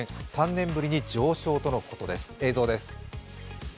３年ぶりに上昇とのことです。